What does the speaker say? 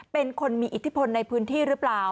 เป็นคนมีอิทธิพลในพื้นที่หรือเปล่า